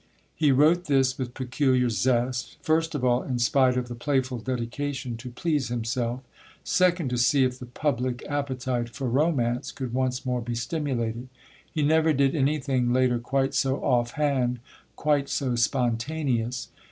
He wrote this with peculiar zest; first of all, in spite of the playful dedication, to please himself; second, to see if the public appetite for Romance could once more be stimulated. He never did anything later quite so off hand, quite so spontaneous.